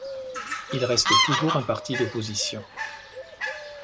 Il reste toujours un parti d'opposition.